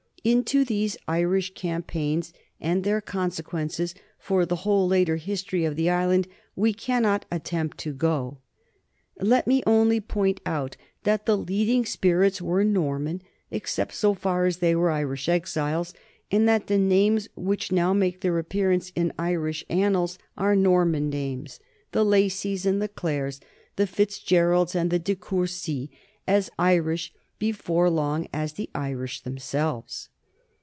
Into these Irish campaigns and their consequences for the whole later history of the island we cannot attempt to go. Let me only point out that the leading spirits were Norman, except so far as they were Irish exiles, and that the names which now make their appearance in Irish annals are Norman names the Lacys and the Clares, the Fitzgeralds and the de Courcys, as Irish before long as the Irish them selves.